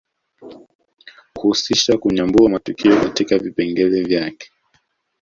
Huhusisha kunyambua matukio katika vipengele vyake